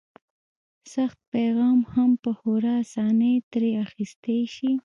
سخت پیغام هم په خورا اسانۍ ترې اخیستی شي.